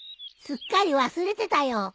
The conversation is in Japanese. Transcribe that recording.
すっかり忘れてたよ。